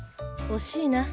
惜しいな。